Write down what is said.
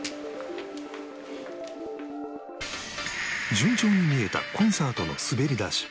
順調に見えたコンサートの滑り出し